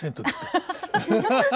ハハハハ。